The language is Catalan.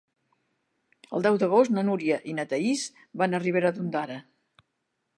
El deu d'agost na Núria i na Thaís van a Ribera d'Ondara.